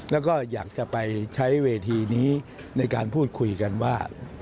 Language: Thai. แล้วก็อยากจะไปใช้เวทีนี้ในการพูดคุยกันว่า